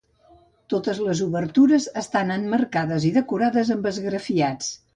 Totes les obertures estan emmarcades i decorades amb esgrafiats.